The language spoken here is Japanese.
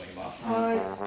はい。